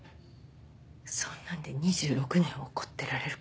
そんなんで２６年怒ってられるか。